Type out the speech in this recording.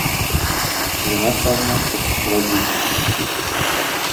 Для нас важна папрацаваць з людзьмі.